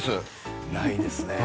ないですね。